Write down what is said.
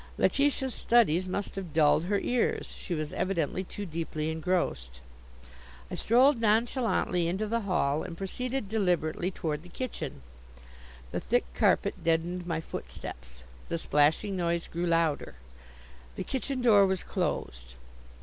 Letitia's studies must have dulled her ears. She was evidently too deeply engrossed. I strolled nonchalantly into the hall, and proceeded deliberately toward the kitchen. The thick carpet deadened my footsteps. The splashing noise grew louder. The kitchen door was closed.